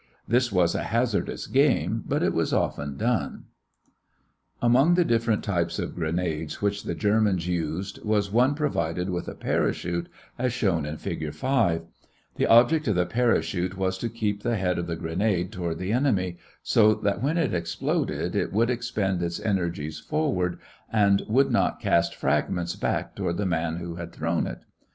This was a hazardous game, but it was often done. [Illustration: FIG. 5. A German parachute grenade] Among the different types of grenades which the Germans used was one provided with a parachute as shown in Fig. 5. The object of the parachute was to keep the head of the grenade toward the enemy, so that when it exploded it would expend its energies forward and would not cast fragments back toward the man who had thrown it.